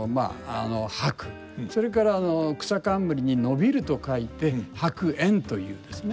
それから草冠に延びると書いて栢莚というですね